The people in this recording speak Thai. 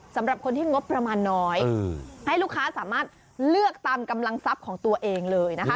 สำหรับคนที่งบประมาณน้อยให้ลูกค้าสามารถเลือกตามกำลังทรัพย์ของตัวเองเลยนะคะ